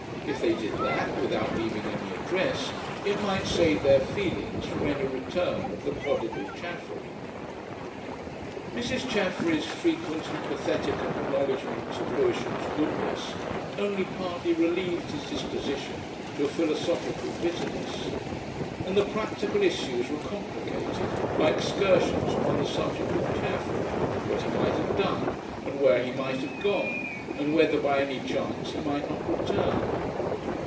If they did that without leaving any address it might save their feelings from any return of the prodigal Chaffery. Mrs. Chaffery's frequent and pathetic acknowledgments of Lewisham's goodness only partly relieved his disposition to a philosophical bitterness. And the practical issues were complicated by excursions upon the subject of Chaffery, what he might have done, and where he might have gone, and whether by any chance he might not return.